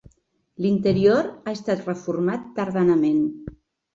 L'interior ha estat reformat tardanament.